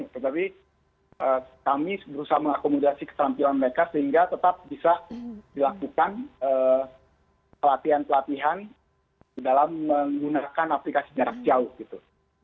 tetapi kami berusaha mengakomodasi keterampilan mereka sehingga tetap bisa dilakukan pelatihan pelatihan dalam menggunakan aplikasi jarak jauh gitu